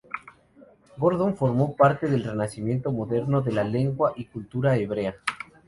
Gordon formó parte del renacimiento moderno de la lengua y cultura hebrea.